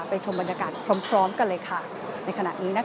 ชมบรรยากาศพร้อมกันเลยค่ะในขณะนี้นะคะ